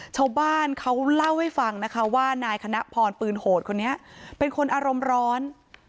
ชาวบ้านเขาเล่าให้ฟังนะคะว่านายคณะพรปืนโหดคนนี้เป็นคนอารมณ์ร้อน